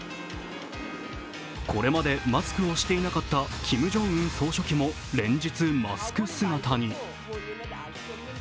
これまでマスクをしていなかったキム・ジョンウン総書記も連日マスク姿に。